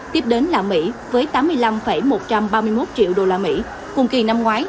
tiếp đến là mỹ với tám mươi năm một trăm ba mươi một triệu đô la mỹ cùng kỳ năm ngoái